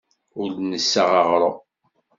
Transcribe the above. Ur d-nessaɣ aɣrum.